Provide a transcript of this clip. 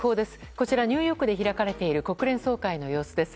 こちらニューヨークで開かれている国連総会の様子です。